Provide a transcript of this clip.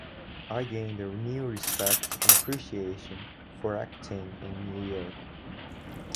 I gained a new respect and appreciation for acting in New York.